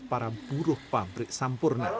para buruh pabrik sampurna